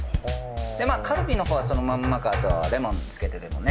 でまあカルビのほうはそのまんまかあとはレモンつけてでもね。